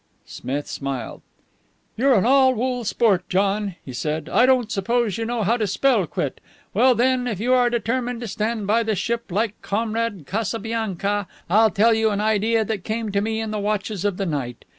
Smith smiled. "You're an all wool sport, John," he said. "I don't suppose you know how to spell quit. Well, then, if you are determined to stand by the ship like Comrade Casabianca, I'll tell you an idea that came to me in the watches of the night.